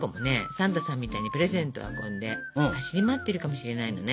サンタさんみたいにプレゼントを運んで走り回ってるかもしれないのね。